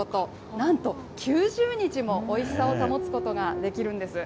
なんと９０日もおいしさを保つことができるんです。